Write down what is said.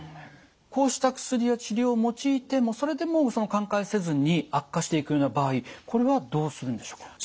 こうした薬や治療を用いてもそれでも寛解せずに悪化していくような場合これはどうするんでしょうか？